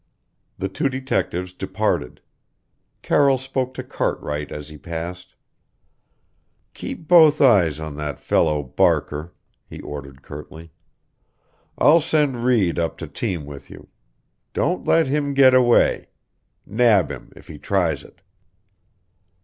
The two detectives departed. Carroll spoke to Cartwright as he passed: "Keep both eyes on that fellow Barker," he ordered curtly. "I'll send Reed up to team with you. Don't let him get away. Nab him if he tries it."